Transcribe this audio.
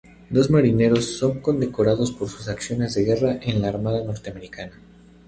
Dos marineros son condecorados por sus acciones de guerra en la Armada norteamericana.